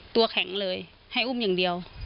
ตัวแข็งเลยให้อุ้มอย่างเดียว